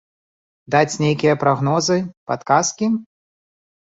Даць нейкія прагнозы, падказкі?